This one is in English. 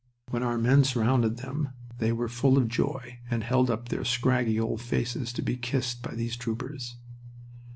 When our men surrounded them they were full of joy and held up their scraggy old faces to be kissed by these troopers.